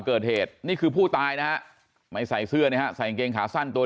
เกิดเหตุนี่คือผู้ตายนะฮะไม่ใส่เสื้อนะฮะใส่กางเกงขาสั้นตัว